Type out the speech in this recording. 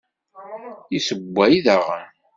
Yessewway daɣen?